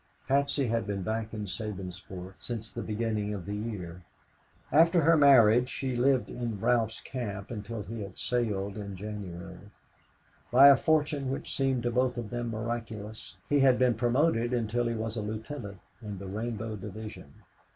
Patsy had been back in Sabinsport since the beginning of the year. After her marriage she lived near Ralph's camp until he had sailed in January. By a fortune which seemed to both of them miraculous, he had been promoted until he was a lieutenant in the Rainbow Division.